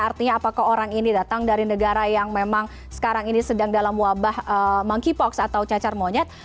artinya apakah orang ini datang dari negara yang memang sekarang ini sedang dalam wabah monkeypox atau cacar monyet